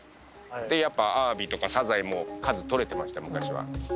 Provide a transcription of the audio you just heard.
やっぱ、アワビとかサザエも数取れてました、昔は。